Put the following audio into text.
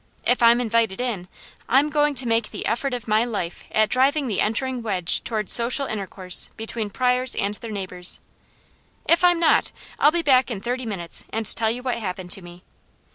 If I'm invited in, I'm going to make the effort of my life at driving the entering wedge toward social intercourse between Pryors and their neighbours. If I'm not, I'll be back in thirty minutes and tell you what happened to me.